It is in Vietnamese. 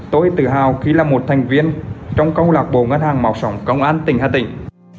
tôi tự hào khi là một thành viên trong câu lạc bộ ngân hàng máu sống công an tỉnh hà tĩnh